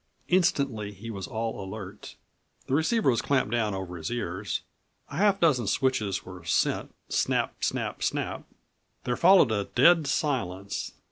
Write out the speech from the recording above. Instantly he was all alert. The receiver was clamped down over his ears, a half dozen switches were sent, snap, snap, snap. There followed a dead silence.